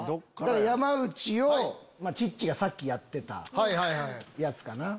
山内をチッチがさっきやってたやつかな。